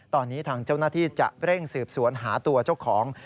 ตอนนี้ทางเจ้าหน้าที่จะเร่งสืบสวนหาตัวเจ้าของ